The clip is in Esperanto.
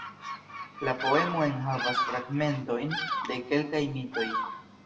La poemo enhavas fragmentojn de kelkaj mitoj.